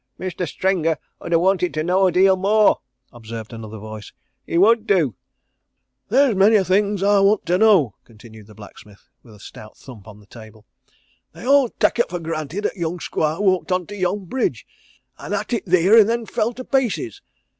"Mestur Stringer 'ud ha' wanted to know a deal more," observed another voice. "He would do!" "There's a many things I want to know," continued the blacksmith, with a stout thump of the table. "They all tak' it for granted 'at young squire walked on to yon bridge, an' 'at it theer and then fell to pieces.